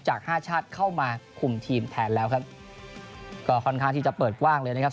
จากห้าชาติเข้ามาคุมทีมแทนแล้วครับก็ค่อนข้างที่จะเปิดกว้างเลยนะครับ